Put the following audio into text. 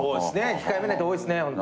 控えめな人多いですね。